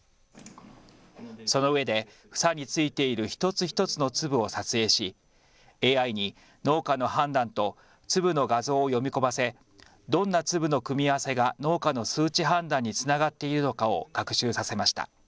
そのうえで房についている一つ一つの粒を撮影し、ＡＩに農家の判断と粒の画像を読み込ませどんな粒の組み合わせが農家の数値判断につながっているのかを学習させました。